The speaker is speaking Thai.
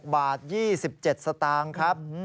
๔๕๖๖บาท๒๗สตางค์ครับ